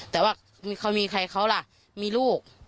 แต่ว่าเขามีใครเขาล่ะมีลูก